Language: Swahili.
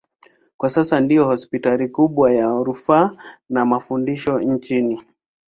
Kwa sasa ndiyo hospitali kubwa ya rufaa na mafundisho nchini.